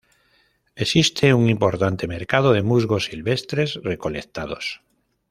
Existe un importante mercado de musgos silvestres recolectados.